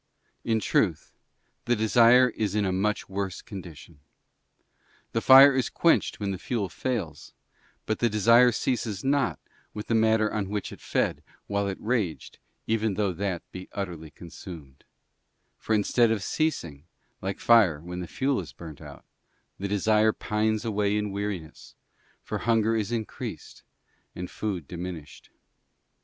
In truth, the desire is in a much worse condition : the fire is quenched when the fuel fails, but the desire ceases not with the matter on which it fed while it raged, even though that be utterly consumed ; for instead of ceasing, like fire when the fuel is burnt out, the desire pines away in weariness, for hunger is increased, and food diminished.